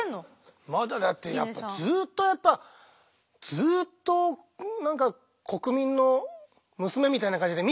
まだだってやっぱずっとやっぱずっと何か国民の娘みたいな感じで見ちゃうわね。